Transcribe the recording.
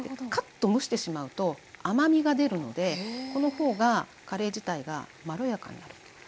かっと蒸してしまうと甘みが出るのでこの方がカレー自体がまろやかになる。